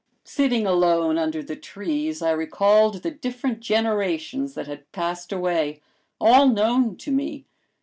Sitting alone under the trees I recalled the different generations that had passed away, all known to me.